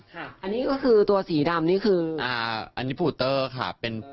ค่ะอันนี้คือตัวสีดำหรออันนี้มันก็อันนี้พูเตอร์ค่ะ